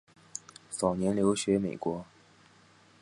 早年留学美国。